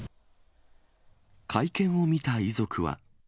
会見を見た遺族は。